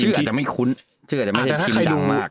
เชื่ออาจจะไม่คุ้นเชื่ออาจจะไม่ได้ทีมดังมาก